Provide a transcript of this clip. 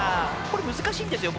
これ難しいんですよ